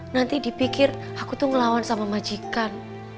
nanti dipikir aku tuh ngelawan sama majikan